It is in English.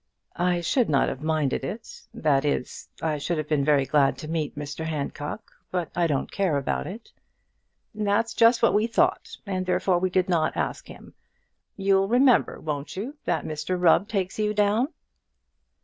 "I should not have minded it. That is, I should have been very glad to meet Mr Handcock, but I don't care about it." "That's just what we thought, and therefore we did not ask him. You'll remember, won't you, that Mr Rubb takes you down?"